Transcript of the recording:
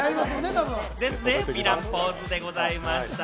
ヴィランポーズでございました。